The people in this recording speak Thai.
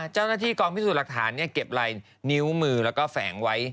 เจ้าหน้าที่กองพิสูจน์หลักฐานเก็บลายนิ้วมือแล้วก็แฝงไว้